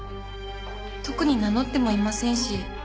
特に名乗ってもいませんし。